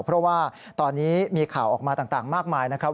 เพราะว่าตอนนี้มีข่าวออกมาต่างมากมายนะครับ